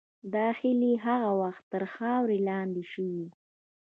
دا هیلې هغه وخت تر خاورې لاندې شوې.